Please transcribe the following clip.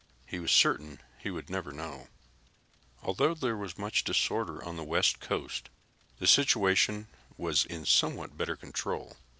He was certain he would never know. Although there was much disorder on the west coast, the situation was in somewhat better control.